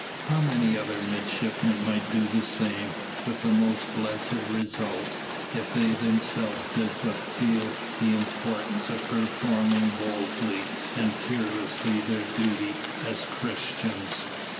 How many other midshipmen might do the same, with the most blessed results, if they themselves did but feel the importance of performing boldly and fearlessly their duty as Christians.